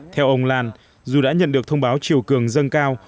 theo ông lan dù đã nhận được thông báo chiều cường dâng cao